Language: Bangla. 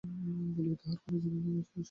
বলিয়া তাঁহার ঘরের জানলার কাছে বসিয়া পড়িলেন।